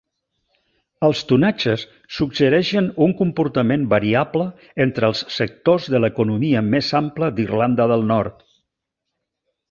Els tonatges suggereixen un comportament variable entre els sectors de l'economia més ampla d'Irlanda del Nord.